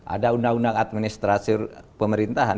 ada undang undang administrasi pemerintahan